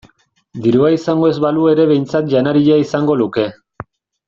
Dirua izango ez balu ere behintzat janaria izango luke.